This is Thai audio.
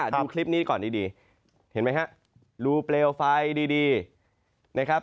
ดูคลิปนี้ก่อนดีเห็นไหมฮะรูเปลวไฟดีนะครับ